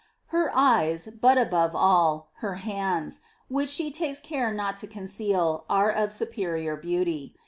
^ Her eyes, but above all, her hands, which she takes care not to conceal, are of superior beauty.